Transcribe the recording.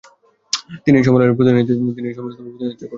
তিনি এই সম্মেলনে প্রতিনিধিত্ব করতে পারেননি।